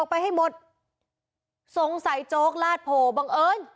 พวกมันต้องกินกันพี่